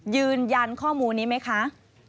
ยืนยันข้อมูลนี้ไหมคะ